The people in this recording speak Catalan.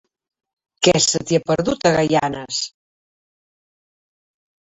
Què se t'hi ha perdut, a Gaianes?